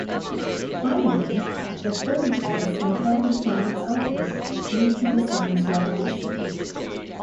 Finally, the third force impelled the planets outward due to the sun's revolution.